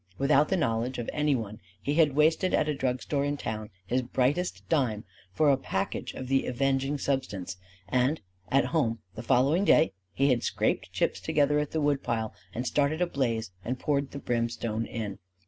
Without the knowledge of any one he had wasted at a drugstore in town his brightest dime for a package of the avenging substance; and at home the following day he had scraped chips together at the woodpile and started a blaze and poured the brimstone in.